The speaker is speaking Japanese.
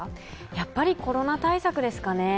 やっぱりコロナ対策ですかね。